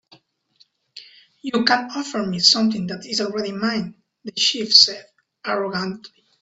"You can't offer me something that is already mine," the chief said, arrogantly.